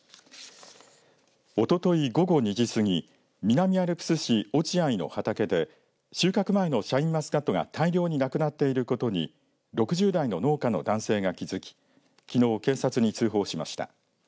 おととい午後２時過ぎ南アルプス市落合の畑で収穫前のシャインマスカットが大量になくなっていることに６０代の農家の男性が気付ききのう警察に通報しました。